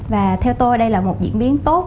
và theo tôi đây là một diễn biến tốt